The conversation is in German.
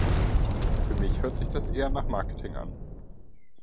Für mich hört sich das eher nach Marketing an.